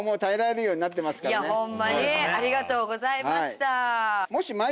いやホンマにありがとうございました。